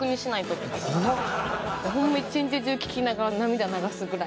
ホンマ一日中聴きながら涙流すぐらいの。